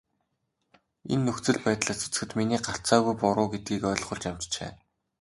Энэ нөхцөл байдлаас үзэхэд миний гарцаагүй буруу гэдгийг ойлгуулж амжжээ.